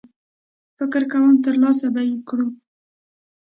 فکر کوم ترلاسه به یې کړو.